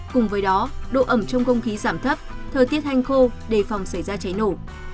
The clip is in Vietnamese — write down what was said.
cùng với đó độ ẩm trong không khí giảm thấp thời tiết hanh khô đề phòng xảy ra cháy nổ